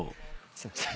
すいません。